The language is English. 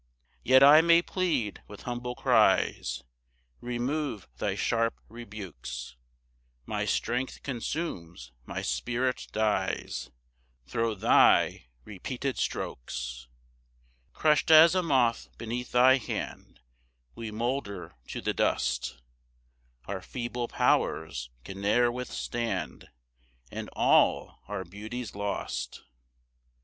3 Yet I may plead with humble cries, Remove thy sharp rebukes; My strength consumes, my spirit dies Thro' thy repeated strokes. 4 Crush'd as a moth beneath thy hand, We moulder to the dust; Our feeble powers can ne'er withstand, And all our beauty's lost.